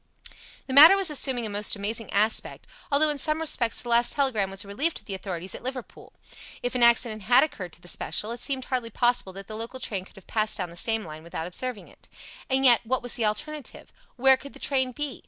The matter was assuming a most amazing aspect, although in some respects the last telegram was a relief to the authorities at Liverpool. If an accident had occurred to the special, it seemed hardly possible that the local train could have passed down the same line without observing it. And yet, what was the alternative? Where could the train be?